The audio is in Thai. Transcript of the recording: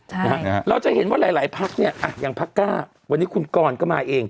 ใช่เราจะเห็นว่าหลายพรรคเนี่ยอย่างพรรคก้าวันนี้คุณกรก็มาเอง